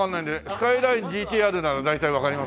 スカイラインＧＴーＲなら大体わかりますけども。